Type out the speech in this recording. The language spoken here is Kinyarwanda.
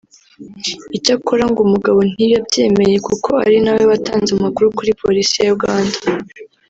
Icyakora ngo umugabo ntiyabyemeye kuko ari na we watanze amakuru kuri Polisi ya Uganda